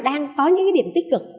đang có những điểm tích cực